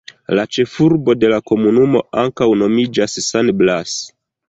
La ĉefurbo de la komunumo ankaŭ nomiĝas San Blas.